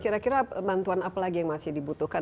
kira kira bantuan apa lagi yang masih dibutuhkan